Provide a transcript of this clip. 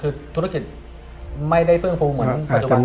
ก็คือธุรกิจไม่ได้เฝื้องฟูเหมือนปัจจุบันมั้ยปีนี้ใช่มั้ย